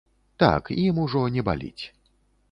Так, ім ужо не баліць.